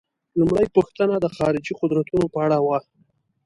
لومړۍ پوښتنه د خارجي قدرتونو په اړه وه.